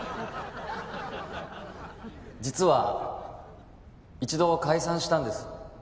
実は一度解散したんです